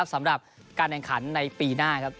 บำตรากฮี